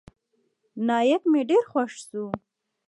نايک مې ډېر خوښ سو.